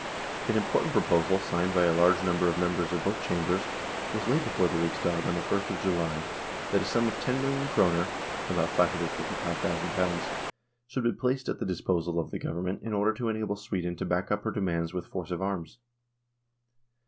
An important proposal, signed by a large number of members of both Chambers, was laid before the Riksdag on the 1st of July, that a sum of ten million kroner, about ;555.ooo, should be placed at the disposal of the Government in order to enable Sweden to back up her demands with force of arms.